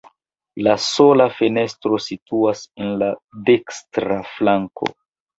La sola fenestro situas en la dekstra flanko.